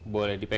boleh di pk